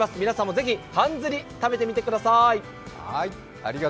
皆さんもぜひかんずり、食べてみてください。